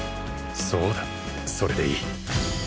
そうだそれでいい